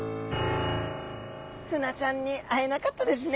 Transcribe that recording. フナちゃんに会えなかったですね。